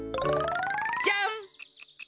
じゃん！